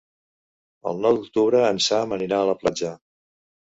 El nou d'octubre en Sam anirà a la platja.